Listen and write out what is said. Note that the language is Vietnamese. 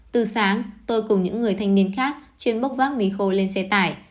từ sáng tôi cùng những người thanh niên khác chuyên bốc vác mì khô lên xe tải